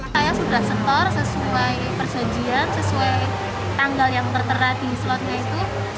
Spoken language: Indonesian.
saya sudah setor sesuai perjanjian sesuai tanggal yang tertera di slotway itu